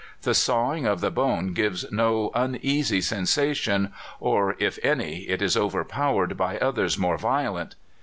The sawing of the bone gives no uneasy sensation; or, if any, it is overpowered by others more violent.